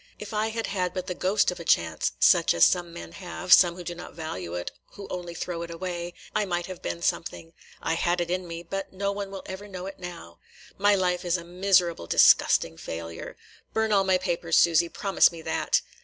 If I had had but the ghost of a chance, such as some men have, – some who do not value it, who only throw it away, – I might have been something. I had it in me; but no one will ever know it now. My life is a miserable, disgusting failure. Burn all my papers, Susy. Promise me that."